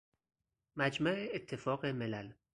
مجمع اتفاق ملل